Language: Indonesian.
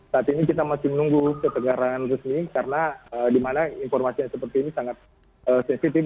saat ini kita masih menunggu ketegaran resmi karena di mana informasi yang seperti ini sangat sensitif